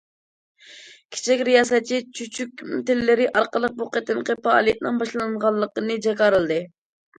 كىچىك رىياسەتچى چۈچۈك تىللىرى ئارقىلىق بۇ قېتىمقى پائالىيەتنىڭ باشلانغانلىقىنى جاكارلىدى.